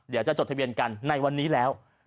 จดทะเบียนกันในวันนี้แล้ว